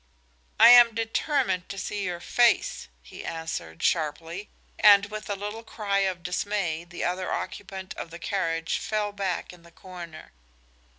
"I am determined to see your face," he answered, sharply, and with a little cry of dismay the other occupant of the carriage fell back in the corner.